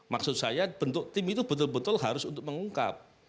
maksud saya bentuk tim itu betul betul harus untuk mengungkap